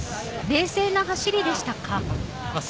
冷静な走りでしたか？